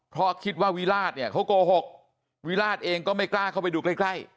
เพราะคิดว่าวิราชเนี่ยเขาโกหกวิราชเองก็ไม่กล้าเข้าไปดูใกล้ใกล้